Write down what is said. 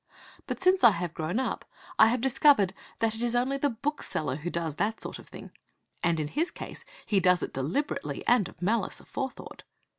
But since I have grown up I have discovered that it is only the bookseller who does that sort of thing. And in his case he does it deliberately and of malice aforethought.